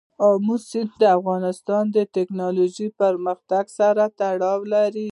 آمو سیند د افغانستان د تکنالوژۍ پرمختګ سره تړاو لري.